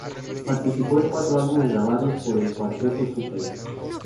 Participó en cuatro álbumes grabados por el Cuarteto Zupay.